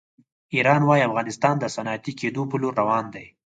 ایران وایي افغانستان د صنعتي کېدو په لور روان دی.